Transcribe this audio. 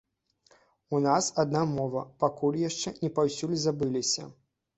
У нас адна мова, пакуль яшчэ не паўсюль забыліся.